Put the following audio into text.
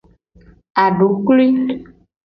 Aduklui.